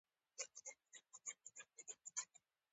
افغانان سوله خوښوونکي دي.